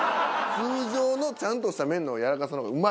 通常のちゃんとした麺のやわらかさの方がうまいねん。